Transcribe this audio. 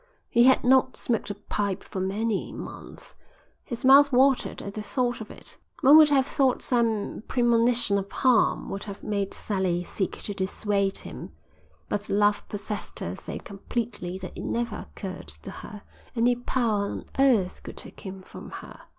He had not smoked a pipe for many, months. His mouth watered at the thought of it. One would have thought some premonition of harm would have made Sally seek to dissuade him, but love possessed her so completely that it never occurred to her any power on earth could take him from her.